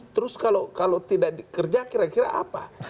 terus kalau tidak dikerja kira kira apa